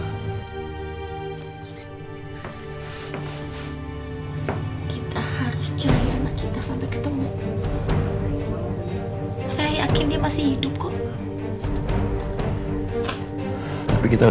kita harus jahit anak kita sampai ketemu